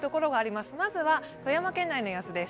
まずは富山県内の様子です。